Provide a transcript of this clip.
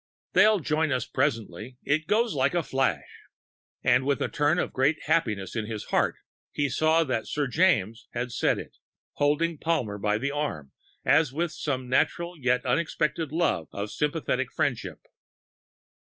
"They'll join us presently. It goes like a flash...." And, turning with great happiness in his heart, he saw that Sir James had said it, holding Palmer by the arm as with some natural yet unexpected love of sympathetic friendship.